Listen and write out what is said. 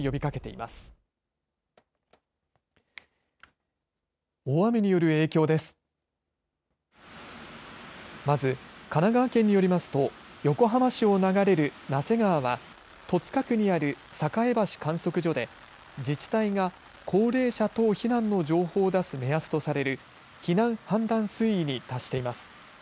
まず神奈川県によりますと横浜市を流れる名瀬川は戸塚区にある栄橋観測所で自治体が高齢者等避難の情報を出す目安とされる避難判断水位に達しています。